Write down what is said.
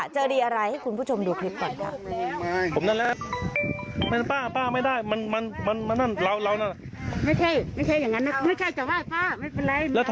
เจอดีอะไรให้คุณผู้ชมดูคลิปก่อนค่ะ